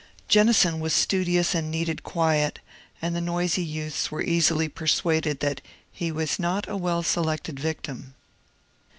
Jennison was studious and needed quiet, and the noisy youths were easily persuaded that he was not a well selected victim.